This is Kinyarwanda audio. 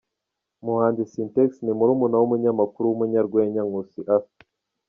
Umuhanzi Sintex ni murumuna w’umunyamakuru n’umunyarwenya Nkusi Arthur .